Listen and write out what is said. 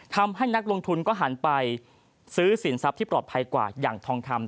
นักลงทุนก็หันไปซื้อสินทรัพย์ที่ปลอดภัยกว่าอย่างทองคำ